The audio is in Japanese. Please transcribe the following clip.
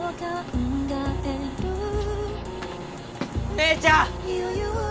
姉ちゃん！